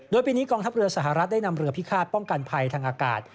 โดยปีนี้กองทัพเรือสหรัฐได้นำเรือพิฆาตป้องกันภัยทางอากาศ